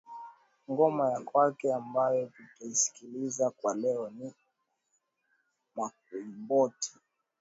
ngoma ya kwake ambayo tutaisikiliza kwa leo ni mukomboti